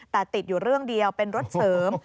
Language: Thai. แต่ติดอยู่เรื่องเดียวเป็นรถเสริม